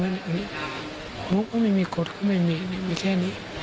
นกก็ไม่มีกฎก็ไม่มีแค่นี้